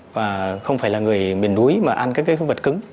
và không phải là người miền núi mà ăn các vật cứng